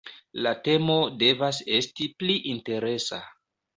La temo devas esti pli interesa.